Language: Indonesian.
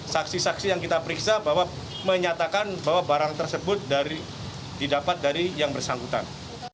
saksi saksi yang kita periksa bahwa menyatakan bahwa barang tersebut didapat dari yang bersangkutan